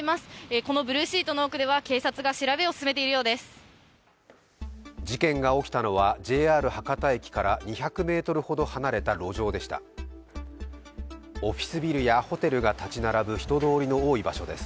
このブルーシートの奥では警察が調べを進めているようです。